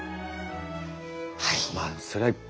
はい。